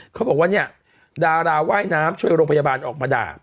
เขาบอกว่าเนี่ยดาราว่ายน้ำช่วยโรงพยาบาลออกมาด่า